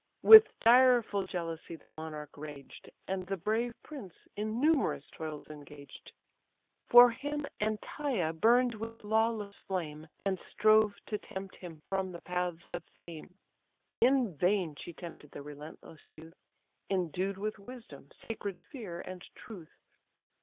With direful jealousy the monarch raged, And the brave prince in numerous toils engaged. For him Antaea burn'd with lawless flame, And strove to tempt him from the paths of fame: In vain she tempted the relentless youth, Endued with wisdom, sacred fear, and truth.